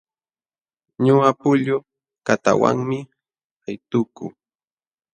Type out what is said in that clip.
Ñuqa pullu kataawanmi aytukuu.